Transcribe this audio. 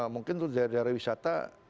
mungkin dari daerah wisata